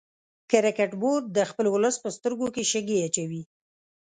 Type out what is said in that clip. کرکټ بورډ د خپل ولس په سترګو کې شګې اچوي